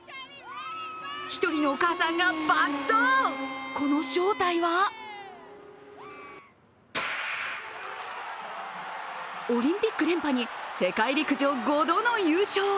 １人のお母さんが爆走、この正体はオリンピック連覇に世界陸上５度の優勝。